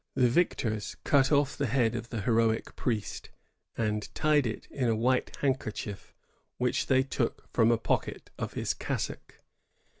The victors cut ofE the head of the heroic p^riest, and tied it in a white handkerchief which they took from a pocket of his cassock.